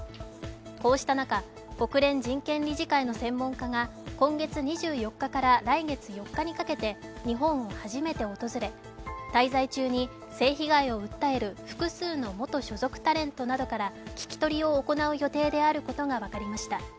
こうした中、国連人権理事会の専門家が今月２４日から来月４日にかけて日本を初めて訪れ滞在中に性被害を訴える複数の元所属タレントらから聞き取りを行う予定であることが分かりました。